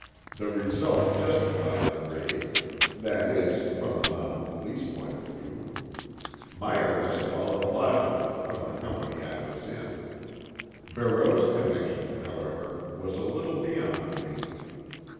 The result justified the raid; that is, from the Mounted Police point of view. My arrest followed logically, from the company I was in. Barreau's connection, however, was a little beyond me.